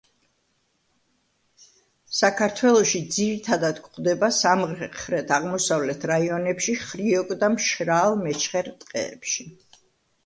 საქართველოში ძირითადად გვხვდება სამხრეთ-აღმოსავლეთ რაიონებში, ხრიოკ და მშრალ მეჩხერ ტყეებში.